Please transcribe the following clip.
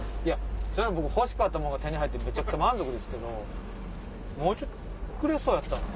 僕欲しかったものが手に入ってめちゃくちゃ満足ですけどもうちょっとでくれそうやったのに。